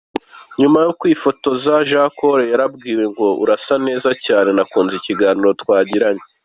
Nyuma yo kwifotoza, J Cole yarambwiye ngo urasa neza cyane nakunze ikiganiro twagiranye.